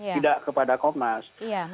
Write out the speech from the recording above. tidak kepada komnas